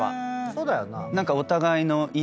そうだよな。